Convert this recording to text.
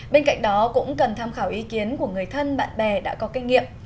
bên cạnh đó cũng cần tham khảo ý kiến của người thân bạn bè đã có kinh nghiệm